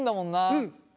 うん。